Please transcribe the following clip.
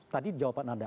tadi jawaban anda